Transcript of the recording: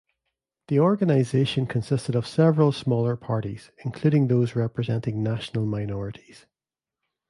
The organization consisted of several smaller parties, including those representing national minorities.